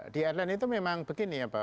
di airline itu memang begini ya pak